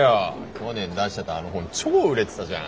去年出してたあの本超売れてたじゃん。